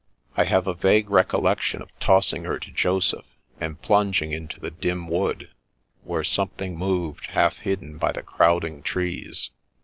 I have a vague recollection of tossing her to Joseph, and plunging into the dim wood, where something moved, half hidden by the crowding trees.